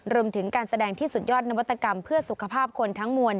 รวมถึงการแสดงที่สุดยอดนวัตกรรมเพื่อสุขภาพคนทั้งมวล